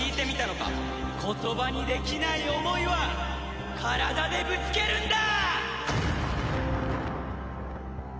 言葉にできない思いは体でぶつけるんだ！